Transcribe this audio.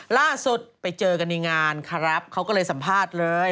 ล่าสุดไปเจอกันในงานครับเขาก็เลยสัมภาษณ์เลย